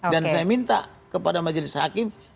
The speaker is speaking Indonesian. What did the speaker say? saya minta kepada majelis hakim